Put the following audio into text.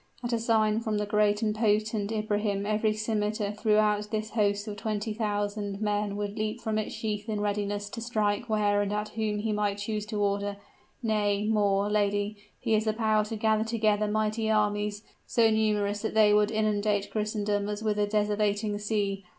At a sign from the great and potent Ibrahim every scimiter throughout this host of twenty thousand men would leap from its sheath in readiness to strike where and at whom he might choose to order. Nay, more, lady he has the power to gather together mighty armies, so numerous that they would inundate Christendom as with a desolating sea.